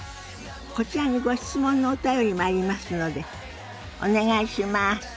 こちらにご質問のお便りもありますのでお願いします。